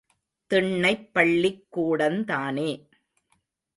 திண்ணைப் பள்ளிக் கூடந்தானே.